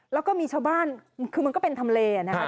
แล้วก็มีชาวบ้านคือมันก็เป็นทำเลนะคะ